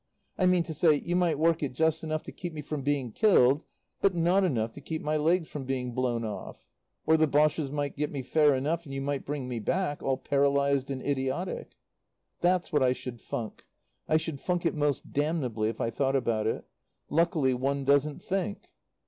I mean to say, you might work it just enough to keep me from being killed but not enough to keep my legs from being blown off. Or the Boches might get me fair enough and you might bring me back, all paralysed and idiotic. "That's what I should funk. I should funk it most damnably, if I thought about it. Luckily one doesn't think."